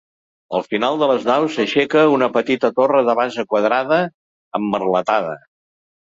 Al final de les naus s'aixeca una petita torre de base quadrada emmerletada.